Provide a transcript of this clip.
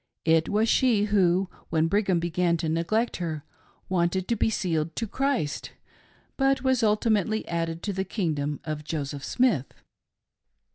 It was she who, when Brigham began to neglect her, wanted to be sealed to Christ, but was ultimately added to the kingdom of Joseph Smith.